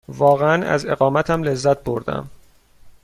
واقعاً از اقامتم لذت بردم.